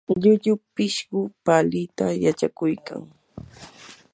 llullu pishqu palita yachakuykan.